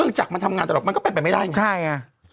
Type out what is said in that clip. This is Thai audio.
เพิ่งจักรมันทำงานตลอดมันก็เด็ดไปไม่ได้ง่ายใช่น่ะ